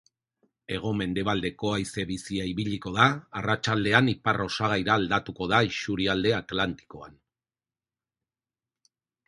Hego-mendebaldeko haize bizia ibiliko da, arratsaldean ipar-osagaira aldatuko da isurialde atlantikoan.